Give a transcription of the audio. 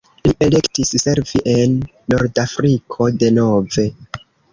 Li elektis servi en Nordafriko denove.